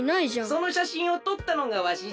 そのしゃしんをとったのがわしじゃ。